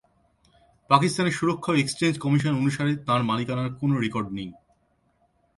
পাকিস্তানের সুরক্ষা ও এক্সচেঞ্জ কমিশন অনুসারে তাঁর মালিকানার কোনও রেকর্ড নেই।